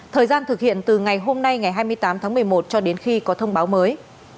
thời gian thực hiện từ ngày hôm nay ngày hai mươi tám tháng một mươi một cho đến khi có thông báo mới